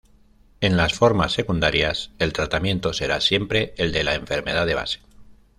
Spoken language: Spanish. En las formas secundarias el tratamiento será siempre el de la enfermedad de base.